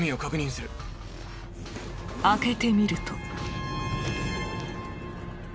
開けてみると。